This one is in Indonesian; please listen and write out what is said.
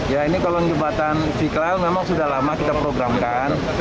ya ini kalau jembatan istiqlal memang sudah lama kita programkan